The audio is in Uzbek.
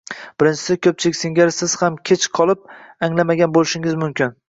Birinchisi, koʻpchilik singari siz ham kech qolib, anglamagan boʻlishingiz mumkin.